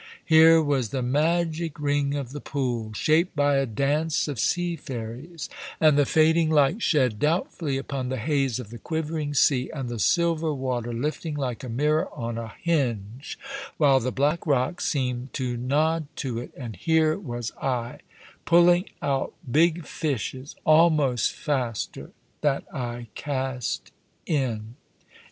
Here was the magic ring of the pool, shaped by a dance of sea fairies, and the fading light shed doubtfully upon the haze of the quivering sea, and the silver water lifting like a mirror on a hinge, while the black rocks seemed to nod to it; and here was I pulling out big fishes almost faster than I cast in.